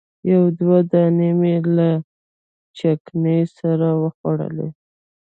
یو دوه دانې مې له چکني سره وخوړلې.